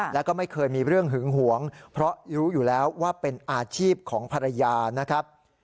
แล้วก็ไม่เคยมีเรื่องหึงหวงเพราะรู้อยู่แล้วว่าเป็นอาชีพของภรรยานะครับ